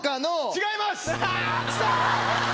違います。